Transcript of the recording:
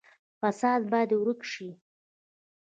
فساد باید ورک شي